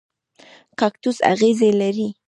کاکتوس اغزي لري